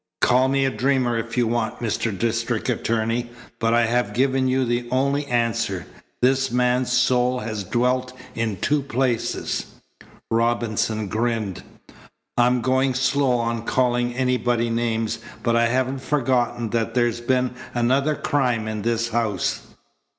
"Call me a dreamer if you want, Mr. District Attorney, but I have given you the only answer. This man's soul has dwelt in two places." Robinson grinned. "I'm going slow on calling anybody names, but I haven't forgotten that there's been another crime in this house.